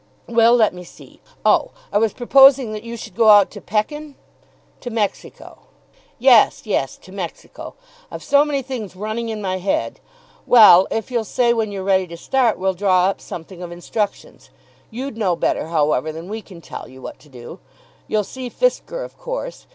Well; let me see. Oh; I was proposing that you should go out to Pekin?" "To Mexico." "Yes, yes; to Mexico. I've so many things running in my head! Well; if you'll say when you're ready to start, we'll draw up something of instructions. You'd know better, however, than we can tell you what to do. You'll see Fisker, of course.